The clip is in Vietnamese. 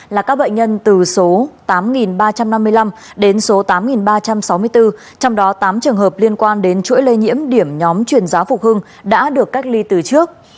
là các bệnh nhân từ số tám ba trăm năm mươi năm đến số tám ba trăm sáu mươi bốn trong đó tám trường hợp liên quan đến chuỗi lây nhiễm điểm nhóm chuyển giáo phục hưng đã được cách ly từ trước